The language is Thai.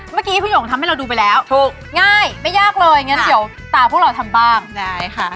เมื่อกี้คุณหงทำให้เราดูไปแล้วถูกง่ายไม่ยากเลยงั้นเดี๋ยวตาพวกเราทำบ้างได้ค่ะ